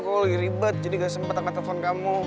kau lagi ribet jadi gak sempet angkat telpon kamu